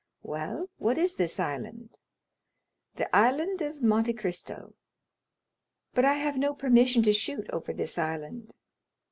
"Well, what is this island?" "The Island of Monte Cristo." "But I have no permission to shoot over this island."